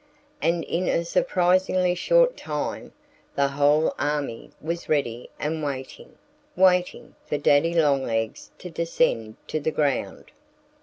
And in a surprisingly short time the whole army was ready and waiting waiting for Daddy Longlegs to descend to the ground.